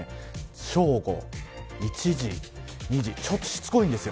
正午１時、２時ちょっとしつこいんです。